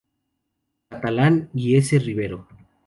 Catalán y S. Rivero.